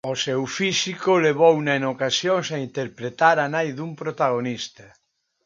O seu físico levouna en ocasións a interpretar a nai dun protagonista.